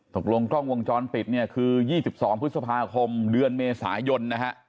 กล้องวงจรปิดเนี่ยคือ๒๒พฤษภาคมเดือนเมษายนนะฮะ